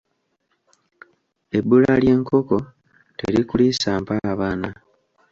Ebbula ly’enkoko, terikuliisa mpaabaana.